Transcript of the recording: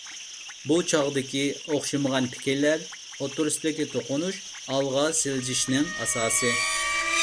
بۇ چاغدىكى ئوخشىمىغان پىكىرلەر ئوتتۇرسىدىكى توقۇنۇش ئالغا سىلجىشنىڭ ئاساسى.